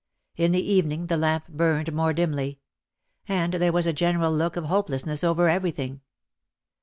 In the evening the lamp burned more dimly. And there was a general look of hopelessness over everything.